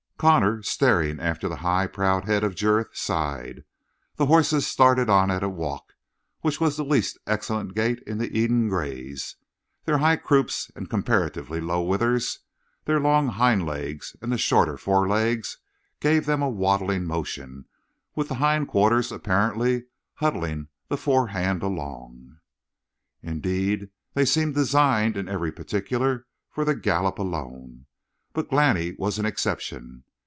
Connor, staring after the high, proud head of Jurith, sighed. The horses started on at a walk which was the least excellent gait in the Eden Grays. Their high croups and comparatively low withers, their long hindlegs and the shorter forelegs, gave them a waddling motion with the hind quarters apparently huddling the forehand along. Indeed, they seemed designed in every particular for the gallop alone. But Glani was an exception.